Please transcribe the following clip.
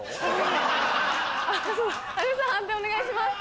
判定お願いします。